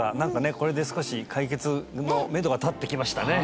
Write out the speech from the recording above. これで少し解決のめどが立ってきましたね